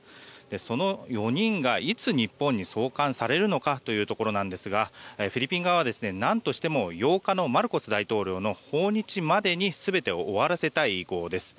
その４人がいつ日本に送還されるのかというところですがフィリピン側は何としても８日のマルコス大統領の訪日までに全てを終わらせたい意向です。